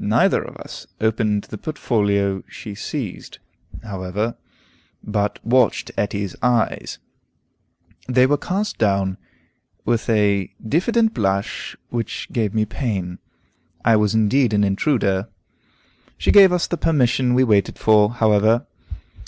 Neither of us opened the portfolio she seized, however, but watched Etty's eyes. They were cast down with a diffident blush which gave me pain; I was indeed an intruder. She gave us the permission we waited for, however.